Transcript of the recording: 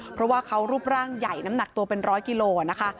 เพราะว่าเขารูปร่างใหญ่น้ำหนักตัวเป็นร้อยกิโลนะคะ